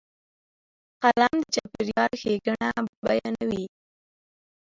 قلم د چاپېریال ښېګڼه بیانوي